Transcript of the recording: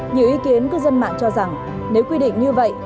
nhiều ý kiến cư dân mạng cho rằng nếu quy định như vậy